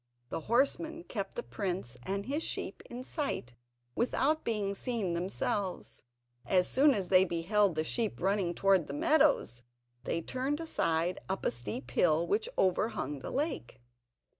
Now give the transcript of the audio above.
The horsemen kept the prince and his sheep in sight, without being seen themselves. As soon as they beheld the sheep running towards the meadows, they turned aside up a steep hill, which overhung the lake.